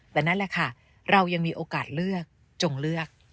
แต่นั่นแหละค่ะเรายังมีโอกาสเลือกจงเลือก